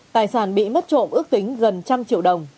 tài sản bị mất trộm ước tính gần trăm triệu đồng